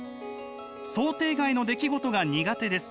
「想定外の出来事が苦手です。